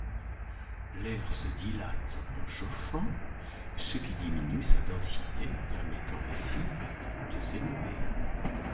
L'air se dilate en chauffant, ce qui diminue sa densité permettant ainsi de s'élever.